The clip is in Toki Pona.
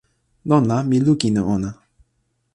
lon la, mi lukin e ona.